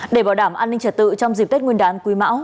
để bảo đảm an ninh trật tự trong dịp tết nguyên đán quý mão